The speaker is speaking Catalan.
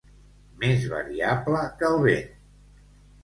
Més variable que el vent.